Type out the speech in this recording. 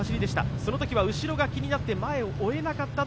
そのときは後ろが気になって前を追えなかったと